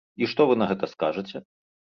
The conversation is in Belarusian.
І што вы на гэта скажаце?